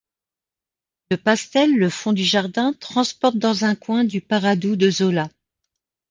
Le pastel le Fond du jardin transporte dans un coin du Paradou de Zola.